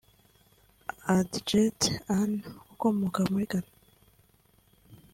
Adjetey Annan ukomoka muri Ghana